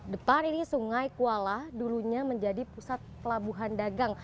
depan ini sungai kuala dulunya menjadi pusat pelabuhan dagang